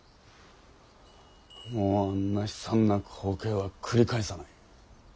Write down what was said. もうあんな悲惨な光景は繰り返さない。